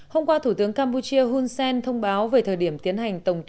hôm qua thủ tướng campuchia hun sen thông báo về thời điểm tiến hành